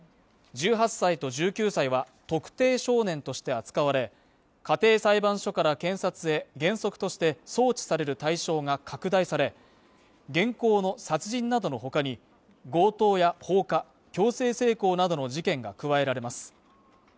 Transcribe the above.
１８歳と１９歳は特定少年として扱われ家庭裁判所から検察へ原則として送致される対象が拡大され現行の殺人などのほかに強盗や放火強制性交などの事件が加えられます